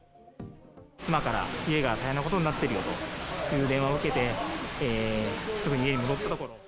妻から家が大変なことになってるよと電話を受けて、すぐに家に戻ったところ。